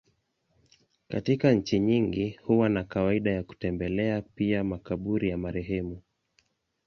Katika nchi nyingi huwa na kawaida ya kutembelea pia makaburi ya marehemu.